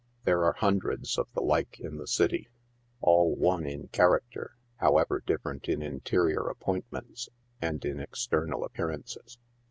There are hundreds of the like in the city—all one in charac ter, however different in interior appointments and in external ap pearances.